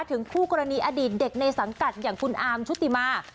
คู่กรณีอดีตเด็กในสังกัดอย่างคุณอาร์มชุติมา